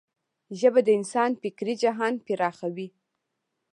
ژبه د انسان فکري جهان پراخوي.